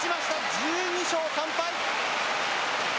１２勝３敗。